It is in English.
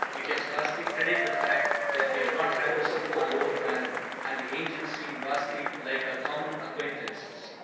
We can scarcely credit the fact that we are not traversing our lower planet; and the angels seem vastly like our common acquaintances.